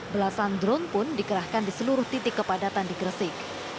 belasan drone pun dikerahkan di seluruh titik kepadatan di gresik